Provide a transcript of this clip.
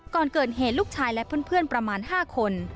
ก่อนเกิดเหตุลูกชายและเพื่อนประมาณ๕คน